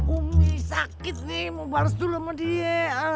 umi sakit nih mau bales dulu sama dia